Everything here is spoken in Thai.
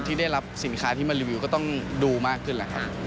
ที่ได้รับสินค้าที่มันรีวิวก็ต้องดูมากขึ้นแหละครับ